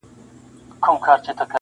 څه پروین د نیمي شپې څه سپین سبا دی-